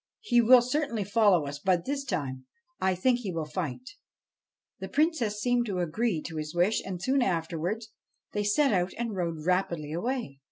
He will certainly follow us, but, this time, I think he will fight.' The Princess seemed to agree to his wish, and, soon afterwards, they set out and rode rapidly away.